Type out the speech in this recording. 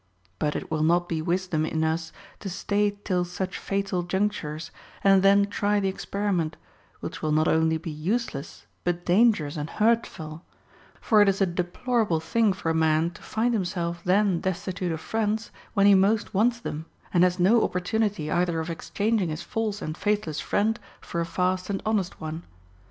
But it will not be wisdom in us to stay till such fatal junctures, and then try the experiment, which will not onlv be useless but dangerous and hurtful ; for it is a deplorable thing for a man to find himself then destitute 102 HOW TO KNOW A FLATTERER of friends, when he most wants them, and has no opportunity either of exchanging his false and faithless friend for a fast and honest one.